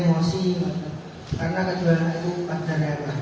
tak saya itu bingung karena anak anak itu berselamatkan secara jenis jahat itu